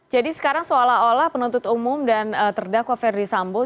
jadi sekarang seolah olah penuntut umum dan terdakwa ferdie sambo